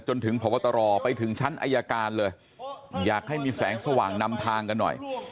จนถึงพบตรไปถึงชั้นอายการเลยอยากให้มีแสงสว่างนำทางกันหน่อย